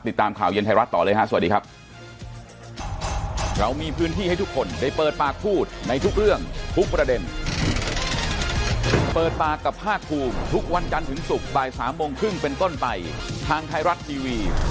ติดตามข่าวเย็นไทยรัฐต่อเลยฮะสวัสดีครับ